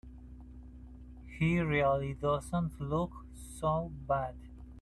He really doesn't look so bad.